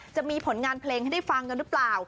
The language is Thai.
จะมีผลงานเพลงให้ได้ฟังกันหรือเปล่า